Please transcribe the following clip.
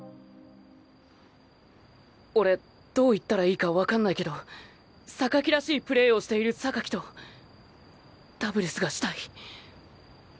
俺どう言ったらいいかわかんないけどらしいプレーをしているとダブルスがしたい。！